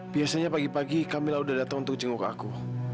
biasanya pagi pagi kamilah udah datang untuk jenguk aku